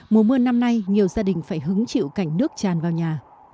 mùa mưa năm nay nhiều gia đình phải hứng chịu cảnh nước tràn vào nhà